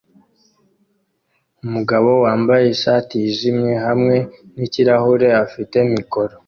Umugabo wambaye ishati yijimye hamwe nikirahure afite mikoro